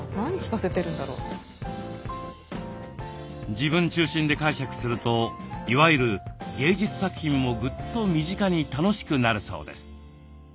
自分中心で解釈するといわゆる芸術作品もぐっと身近に楽しくなるそうです。